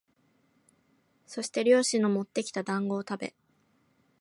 そして猟師のもってきた団子をたべ、